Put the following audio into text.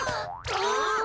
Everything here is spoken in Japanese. あっ！